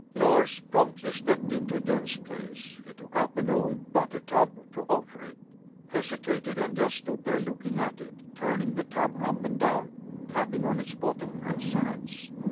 Lars promptly stepped into Jöns's place. He took up an old butter tub to offer it hesitated and just stood there looking at it, turning the tub up and down, tapping on its bottom and sides.